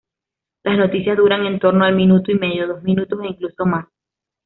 Las noticias duran en torno al minuto y medio, dos minutos e incluso más.